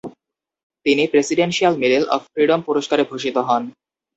তিনি Presidential Medal of Freedom পুরস্কারে ভূষিত হন।